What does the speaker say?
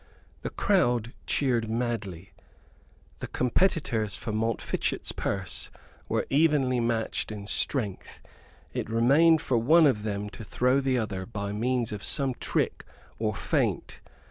The crowd cheered madly. The competitors for Montfichet's purse were evenly matched in strength: it remained for one of them to throw the other by means of some trick or feint.